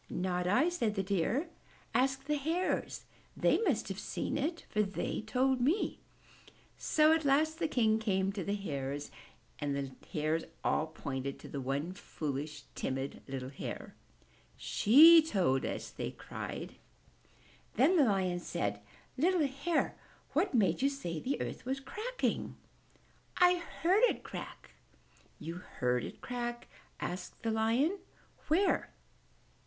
"Not I," said the Deer. "Ask the Hares! They must have seen it, for they told me!" So at last King Lion came to the Hares and the Hares all pointed to the one foolish, timid, little Hare. "She told us," they all cried. Then the Lion said, "Little Hare, what made you say the earth was cracking?" "I heard it crack." "You heard it crack?" said the Lion. "Where?"